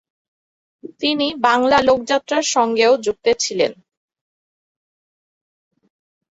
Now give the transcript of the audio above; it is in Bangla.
তিনি বাংলা লোক যাত্রার সঙ্গেও যুক্ত ছিলেন।